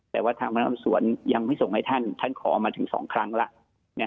แต่ว่าทางพนักงานสวนยังไม่ส่งให้ท่านท่านขอมาถึง๒ครั้งแล้ว